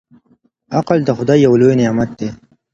عقل د خدای يو لوی نعمت دی.